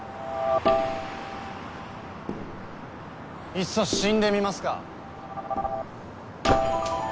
・いっそ死んでみますか？